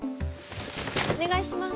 お願いします。